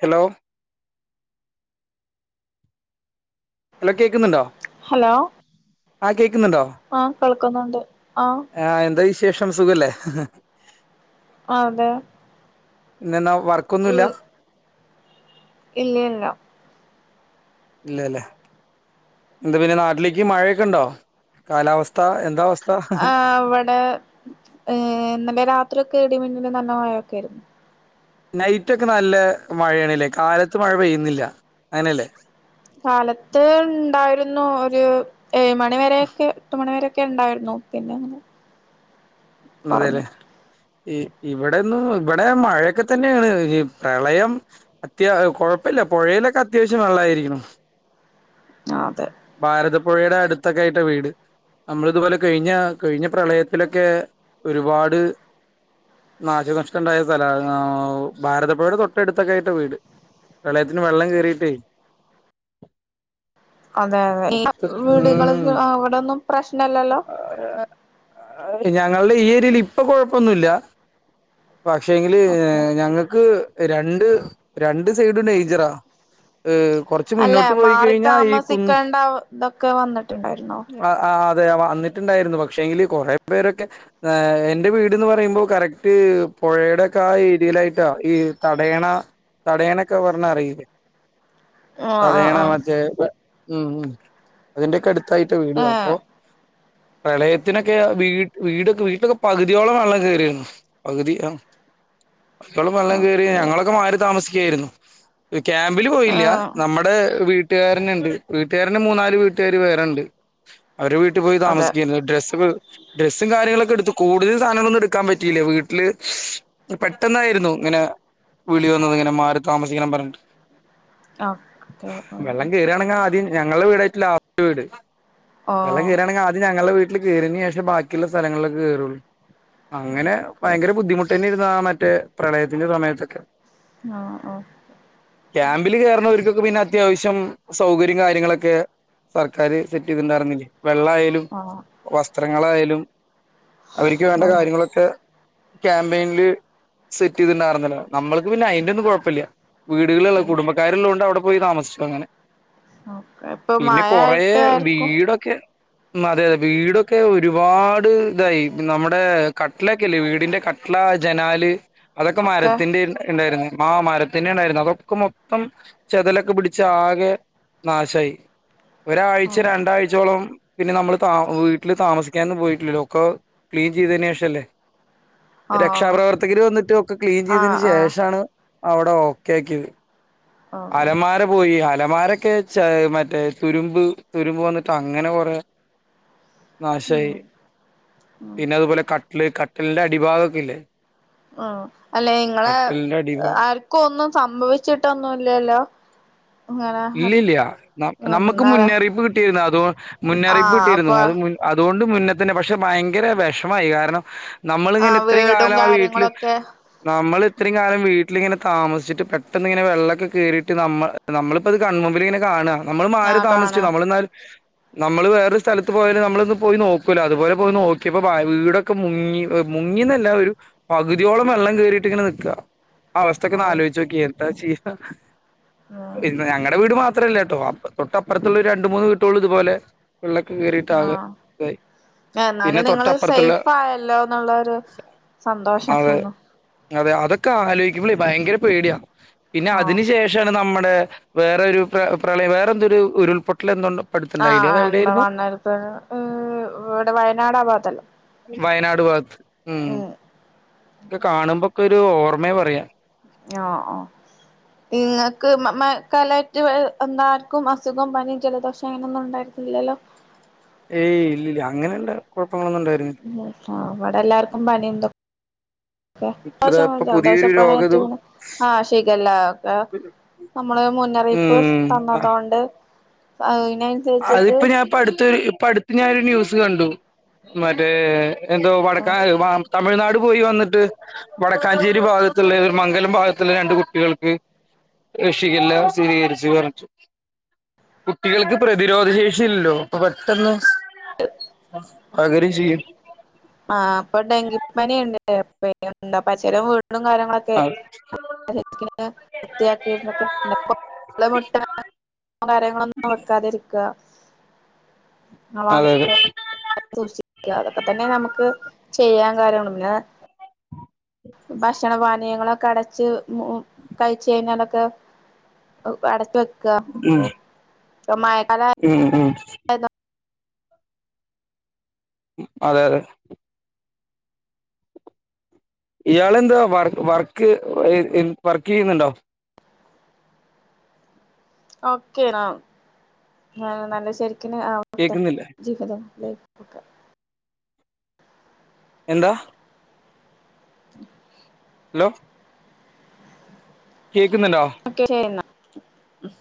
hello അല്ല കേക്കുന്നുണ്ടോ ആ കേക്ക് ആകേൾക്കുന്നുണ്ട് ആ ശേഷം സുഖല്ലേ ആ അതെ പിന്നെ ന വർക്കൊന്നുല്ല ഇല്ല ഇല്ല ഇല്ലല്ലേ എന്താ പിന്നെ നാട്ടിലേക്ക് മഴയൊക്കെ ഉണ്ടോ കാലാവസ്ഥ എന്താ അവസ്ഥ ആ അവിടെ ഏ നല്ല ഇവിടൊക്കെ ഇടിമിന്നലും നല്ല മഴയൊക്കെ ആയിരുന്ന് നൈറ്റ് ഒക്കെ നല്ല മഴയാണില്ലേ കാലത്ത് മഴ പെയ്യുന്നില്ല അങ്ങനെയല്ലേ കാലത്ത് ഉണ്ടായിരുന്നു ഒരു ഏഴ് മണിവരൊക്ക എട്ട് മണിവരെ ഒക്കെ ഉണ്ടായിരുന്നു പിന്നെ അതെല്ലേ കുറഞ്ഞു ഇവിടെന്നും ഇവിടെ മഴയൊക്കെ തന്നെയാണ് പ്രളയം അത്യാ കൊഴപ്പില്ല പുഴയിലൊക്കെ അത്യാവശ്യം വെള്ളായിരിക്കുണു ആ അതെ ഭാരതപ്പുഴയുടെ അടുത്തൊക്കെ ആയിട്ട വീട് നമ്മൾ ഇതുപോലെ കഴിഞ്ഞ കഴിഞ്ഞ പ്രളയത്തിലൊക്കെ ഒരുപാട് നാശനഷ്ടം ഉണ്ടായ സ്ഥല ഭാരതപ്പുഴയുടെ തൊട്ട അടുത്തൊക്കെ ആയിട്ട വീട് പ്രളയത്തിന് വെള്ളം കേയറിയിട്ടേ അതെ അതെ വീടുകൾക്ക് അവിടൊന്നും പ്രശ്നല്ലല്ലോ ഞങ്ങളുടെ ഈ ഏരിയൽ ഇപ്പൊ കൊഴപ്പൊന്നുമില്ല പക്ഷേങ്കില് ഓക്കെ ഞങ്ങക്ക് രണ്ട് രണ്ട് സൈഡും ഡേയിൻജെറ കുറച്ച് മുന്നോട്ട് പോയി കഴിഞ്ഞാൽ ഈ കു ഔ ഇതൊക്കെ വന്നിട്ടുണ്ടായിരുന്നോ അതെ വന്നിട്ടുണ്ടായിരുന്നു പക്ഷെ എങ്കില് കൊറെ പേരൊക്കെ എൻറെ വീട്ന്ന് പറയുമ്പോ കറക്റ്റ് പുഴയുടെയോക്കെ ആ ഏരിയയിലായിട്ടാ ഈ തടയണ തടയണൊക്കെ പറഞ്ഞ അറിയില്ലേ ആഹ് തടയെണ ആഹ് മറ്റെ ഉം ഉം അതിന്റെയക്കെ അടുത്ത് ഇത്തായിട്ട് വീടുക ആഹ് അപ്പൊ ഏഹ് പ്രളയത്തിനൊക്കെ വീടൊക്കെ വീട്ടിലൊക്കെ പകുതിയോളം വെള്ളം കേയറിരുന്നു പകുതി ആ അക്കളും വെള്ളം കയറി ഓക്കെ ഞങ്ങളൊക്കെ മാറി താമസിക്ക [unintelligible] യിരുന്നു ക്യാമ്പില് പോയില്ല ആഹ് നമ്മുടെ വീട്ട കൂട്ടുകാരനുണ്ട് വീട്ടുകാരന്റെ മൂന്നാല് വീട്ടുകാാര് വേറണ്ട് അവര് വീട്ടിൽ പോയി അതെ താമസിക്കായിരുന്നു ഡ്രസ്സ് ഡ്രസ്സും കാര്യങ്ങളൊക്കെ എടുത്തു കൂടുതൽ സാധനങ്ങളൊന്നും എടുക്കാൻ പറ്റിയില്ല വീട്ടില് പെട്ടെന്നായിരുന്നു ഇങ്ങനെ വിളി വന്നത് ഇങ്ങനെ മാറി താമസിക്കണം പറഞ്ഞിട്ട് ഓക്കെ വെള്ളം കയറുകയാണെങ്കിൽ ആദ്യം ഞങ്ങളുടെ വീടായിട്ടില്ല ആ ഒരു വീട് വില ആഹ് കീറണെങ്കിൽ ആം ഞങ്ങളുടെ വീട്ട വീള്ളം കേയറന് ശേഷം ബാക്കിയുള്ള സ്ഥലങ്ങളിലക്കെ കേയറുള്ളൂ അങ്ങനെ ഭയങ്കര ബുദ്ധിമുട്ട് തന്നെരുന്നു മറ്റേ പ്രളയത്തിന്റെ സമയത്തൊക്കെ ആ ആഓ ക്യാമ്പില് കയറുന്നവർക്കൊക്കെ പിന്നെ അത്യാവശ്യം സൗകര്യ- കാര്യങ്ങളൊക്കെ സർക്കാര് സെറ്റ് ചെയ്തിണ്ടരുന്നില്ലേ വെള്ളയാലും ആഹ് വസ്ത്രങ്ങളായാലും [inaudible] അവർക്ക് വേണ്ട ആഹ് കാര്യങ്ങളൊക്കെ ക്യാമ്പയിനില് സെറ്റ് ചെയ്തിണ്ടായിരുന്നില്ല നമ്മൾക്ക് പിന്നെ അതിന്റെന്നും കുഴപ്പില്ല വീടുകളുള്ള ഉം കുടുംബക്കാരെള്ളതുകൊണ്ട് അവിടെ- പോയി താമസിച്ചു അങ്ങനെ ഇപ്പൊ പിന്നെ കൊറേ മഴയിട്ട് ആർക്കും വീടൊക്കെ അതെ അതെ വീടൊക്കെ ഒരുപാട് ഇതായി നമ്മുടെ കട്ടലൊക്കെല്ലേ വീടിന്റെ കട്ടില ജനാല് അതൊക്കെ ഒക്കെ മരത്തിന്റെ ഉണ്ടായിരുന് ഹാ മാരത്തിന്റെ ഉണ്ടായിരുന്നു അതൊക്കെ മൊത്തം ചെതലൊക്കെ പിടിച്ച് ആകെ നാശായി ഒരാഴ്ച ഓഹ് രണ്ടാഴ്ചോളം പിന്നെ നമ്മള് താ വീട്ടില് താമസിക്കാന്നും പോയിട്ടില്ലല്ലോ ഒക്ക ക്ലീൻ ചെയ്തതിന് ശേഷംല്ലേ ആഹ് രക്ഷാപ്രവർത്തകര് വന്നിട്ടും ഒക്കെ ക്ലീൻ ചെയ്തതിന് ആഹ് ആഹ് ശേഷമാണ് അവിടെ ഓക്കെക്കി ആ ഓഹ് അലമാരൊക്കെ ചാ മറ്റേ തുരുമ്പ് തുരുമ്പ് വന്നിട്ട് അങ്ങനെ കുറെ ഉം നാശായി ഉം പിന്നെ അതുപോലെ കട്ല് ക ടിലിന്റെ അടിഭാഗൊക്കെയില്ലേ ഉ അല്ല നിങ്ങളെ അടിഭാഗം ആർക്കും ഒന്നും സംഭവിച്ചിട്ടൊന്നുംല്ലല്ലോ ഇല്ലില്ല്യ ന നമ്മുക്ക് ഇന്നലെ മുന്നറിയിപ്പ് കിട്ടിയിരുന്നു അതു മുന്നറിയിപ്പ് ആഹ് കിട്ടിയിരുന്നു അപ്പൊ അത് മുൻ അതു ണ്ട് മുന്ന തന്നെ പഷേ ഭയങ്കര വെ ഷമായി കാരണം നമ്മളിങ്ങനെ ആഹ് ഇത്രയും വീടും കാലം ആ വീട്ടില് കാര്യങ്ങളൊക്കെ നമ്മള് ഇത്രയും കാലം വീട്ടിലിങ്ങനെ താമസിച്ചിട്ട് പെട്ടന്നിങ്ങനെ വെള്ളൊക്കെ കേറീട്ട് നമ്മ നമ്മള് പ്പത് കൺമുമ്പിലിങ്ങനെ കാണാ നമ്മള് മാറി ആഹ് താമസിച്ചു കാണാ നമ്മളെന്നാലും നമ്മള് വേറൊരു സ്ഥലത്ത് പോയലും നമ്മളൊന്ന് പോയി നോക്കൂലോ അതുപോലെ പോയി നോക്കിയപ്പോ ഭയ വീടൊക്കെ മുങ്ങി മുങ്ങിന്നല്ല ഒരു പകുതിയോളം വെള്ളം കയറിയിട്ട് ഇങ്ങനെ നിക്കാ ആ അവസ്ഥക്കെ ഒന്ന് ഓഹ് ആലോയിച്ച് നോക്കിയേ എന്താ ചെയ്കാ ഉം ഇന്ന് ഞങ്ങട വീട് മാ ത്രല്ലേ ട്ടോ അപ്ര തൊട്ടപ്രറത്തുള്ള ഒരു രണ്ട് മൂന്ന് വീട്ടോള് ഇതുപോലെ വെള്ളൊക്കെ കയറിട്ടാകെ ആഹ് ഇതായി പിന്നെ എന്നാലും നിങ്ങള് തൊട്ടപ്രറത്തുള്ള സേഫ് ആയല്ലോ എന്നുള്ളൊരു സന്തോഷം അതെ ഒന്നു അതെ അതൊക്കെ ആലോയിക്ക്‌മ്പ്ളെ ഭയങ്കര പേടിയാ പിന്നെ ആഹ് അതിന് ശേഷാണ് നമ്മ ടെ വേറെ ഒരു പ്ര പ്രളയം വേറെ എന്തൊരു ഉരുൾപൊട്ടല എന്തുണ്ടോ ആ ആ ഇവിടെ വന്നേടത്തുന്ന് ഈ ഇവിടെ വയനാട് ആ ഭാഗത്തല്ലേ വയനാട് ഭാത്ത് ഉം ഇക്കെ കാണുമ്പോക്കെ ഒരു ഓർമ്മ പറയാ ഞാ ഓ നിങ്ങക്ക് മ മ കലക്റ്റ് എല്ലാർക്കും അസുഗോം പനീം ജലദോഷം അങ്ങനൊന്നും ഉണ്ടായിരുന്നില്ലല്ലോ ഏയ് ഇല്ലില്ല അങ്ങനെയ്ള്ള കുഴ പ്പങ്ങളൊന്നും ഉണ്ടായിരുന്നി ആ ഇവിടെ എല്ലാർക്കും പനിണ്ട് ക്ക ഇപ്പതാ ഇപ്പൊ ദോശമാവില് പുതിയൊരു ദോശപ്പന രോഗത് ആയ്ട്ടിങ്ങനെ ആ ശീഖല്ല ക്കെ നമ്മള് മുന്നറിയിപ്പ് ഉം തന്നതോണ്ട് കൈ അതിപ്പ ഞാപ്പ അടുത്തൂറി ഇപ്പ അടുത്ത് ഞാനൊരു ന്യൂസ് കണ്ടു മറ്റേ എന്തോ വടക്കക്കെഴി വമ്പ് തമിഴ്നാട് പോയി വന്നിട്ട് വടക്കാഞ്ചേരി ഭാഗത്തുള്ള ഒരു മംഗലം ഭാഗത്തുള്ള രണ്ട് കുട്ടികൾക്ക് ഷിഗല്ല സ്ഥിരീകരിച്ചു പറ്ഞ്ഞിട്ട് കുട്ടികൾക്ക് പ്രതിരോധ ശേഷിയില്ലല്ലോ അപ്പൊ പെട്ടെന്ന് അഗരി ജിയും ആ അപ്പൊ ഡെങ്കിപ്പനിയ്ണ്ട് അല്ലേ പച്ചരം വീട വീടും കാര്യങ്ങളൊക്കെ അതെ [unintelligible] കാര്യങ്ങളൊക്കെ വൃത്തിയാക്കി [unintelligible] മുട്ട കാര്യങ്ങളൊന്നും വെക്കാതിരിക്കുക ആ അതെ അതൊക്കെ സൂക്ഷിക്ക അതൊക്കെ തന്നെ നമു ക്ക്‌ ചെയ്യാൻ [unintelligible] ഭക്ഷണപാനീയങ്ങളൊക്കെ അടച്ച് ഉം കഴിച്ച് കഴിഞ്ഞാലൊക് ക്കെ അടച്ച് വെ ക്കാ ഉം ഇപ്പം മഴ ഉം ഉം യതോ അതെ അതെ ഇയാളെന്താ വർ വർക്ക് എ വർക്ക് ചെയ്യുന്നുണ്ടോ ഓക്കേണോ ന നല്ല ശരി ആവട്ടെ കേക്കുന്നില്ല ജീവിതം ല്ല ഇപ്പൊ കേക്കാ എന്താ അലോ ഓക്കെ ച്ചേ എന്നാ ഉം